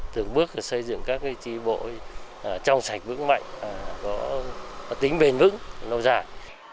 từng bước xây dựng các tri bộ trong sạch vững mạnh có tính bền vững lâu dài